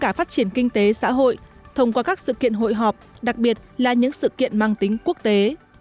cả phát triển kinh tế xã hội thông qua các sự kiện hội họp đặc biệt là những sự kiện mang tính quốc tế